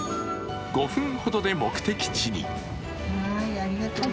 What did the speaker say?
５分ほどで目的地に。